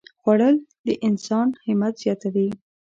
خوړل د انسان همت زیاتوي